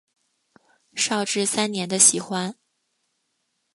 绍治三年的喜欢。